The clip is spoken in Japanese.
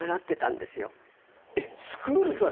えっスクールですか？